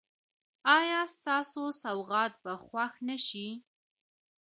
ایا ستاسو سوغات به خوښ نه شي؟